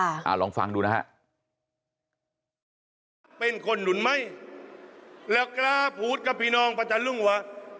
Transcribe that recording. อะลองฟังดูนะฮะ